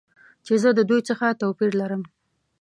چې زه د دوی څخه توپیر لرم.